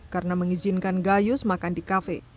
karena mengizinkan gayus makan di kafe